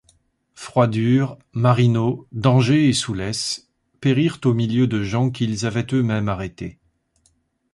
Froidure, Marino, Dangé et Soulès périrent au milieu de gens qu’ils avaient eux-mêmes arrêtés.